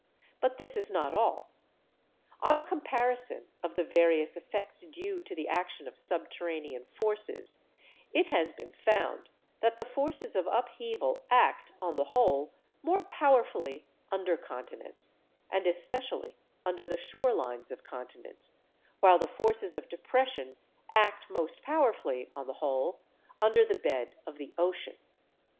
But this is not all. On a comparison of the various effects due to the action of subterranean forces, it has been found that the forces of upheaval act (on the whole) more powerfully under continents, and especially under the shore lines of continents, while the forces of depression act most powerfully (on the whole) under the bed of the ocean.